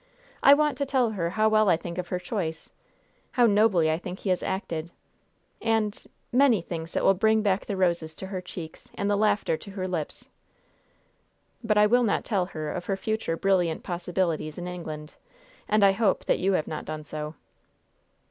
I want to tell her how well I think of her choice how nobly I think he has acted, and many things that will bring back the roses to her cheeks and the laughter to her lips. But I will not tell her of her future brilliant possibilities in England, and I hope that you have not done so."